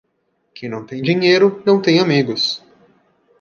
Quem não tem dinheiro, não tem amigos.